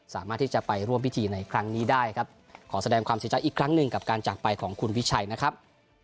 สามารถที่จะไปร่วมพิธีในครั้งนี้ได้ครับขอแสดงความเสียใจอีกครั้งหนึ่งกับการจากไปของคุณวิชัยนะครับ